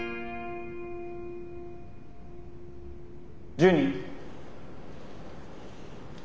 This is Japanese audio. ジュニ？